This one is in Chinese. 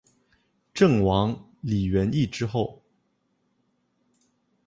郑王李元懿之后。